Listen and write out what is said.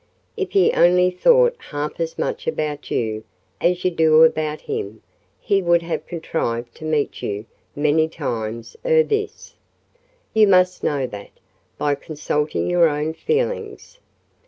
If he only thought half as much about you as you do about him, he would have contrived to meet you many times ere this: you must know that, by consulting your own feelings.